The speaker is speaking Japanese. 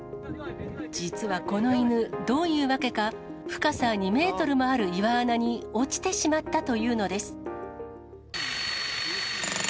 実はこの犬、どういうわけか、深さ２メートルもある岩穴に落ちてしまったというのです。